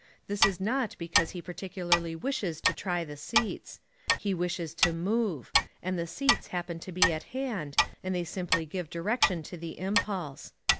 This is not because he particularly wishes to try the seats. He wishes to move, and the seats happen to be at hand, and they simply give direction to the impulse.